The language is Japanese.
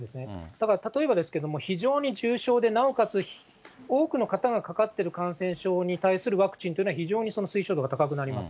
だから例えばですけれども、非常に重症で、なおかつ多くの方がかかっている感染症に対するワクチンというのは非常に推奨度が高くなります。